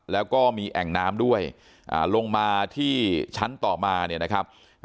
แล้วก็มีแอ่งน้ำด้วยลงมาที่ชั้นต่อมา